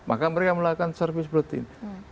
maka mereka melakukan service bulletin